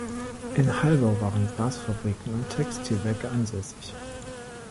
In Halbau waren Glasfabriken und Textilwerke ansässig.